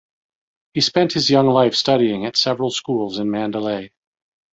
He spent his young life studying at several schools in Mandalay.